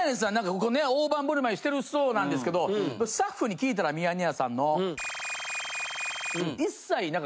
ここね大盤振る舞いしてるそうなんですけどスタッフに聞いたら『ミヤネ屋』さんの。